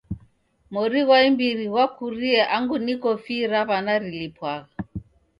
Mori ghwa imbiri ghwakurie angu niko fii ra w'ana rilipwagha